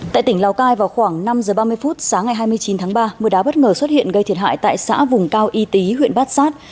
tại tỉnh lào cai vào khoảng năm giờ ba mươi phút sáng ngày hai mươi chín tháng ba mưa đá bất ngờ xuất hiện gây thiệt hại tại xã vùng cao y tý huyện bát sát